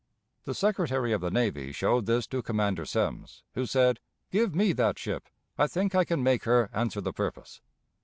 The Secretary of the Navy showed this to Commander Semmes, who said: "Give me that ship; I think I can make her answer the purpose."